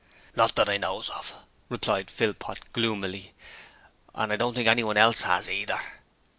'Not that I knows of,' replied Philpot gloomily; 'and I don't think anyone else has either.'